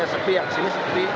sepi ya sini sepi